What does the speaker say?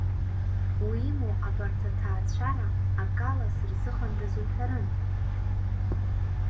Уимоу, абарҭ аҭаацәара акала сырзыҟандаз уҳәарын.